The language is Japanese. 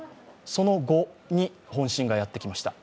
その後に本震がやってきました。